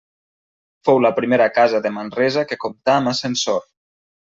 Fou la primera casa de Manresa que comptà amb ascensor.